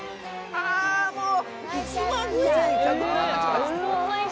あもう。